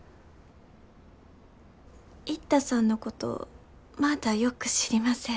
一太さんのことまだよく知りません。